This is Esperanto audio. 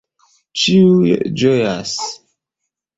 Ĉiuj ĝojas.